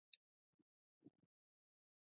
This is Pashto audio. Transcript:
له دې کبله باید څو تنه سره یوځای شي